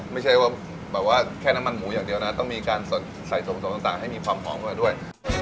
ไม่ใช่ว่าแบบว่าแค่น้ำมันหมูอย่างเดียวนะต้องมีการสดใส่ส่วนผสมต่างให้มีความหอมเข้ามาด้วย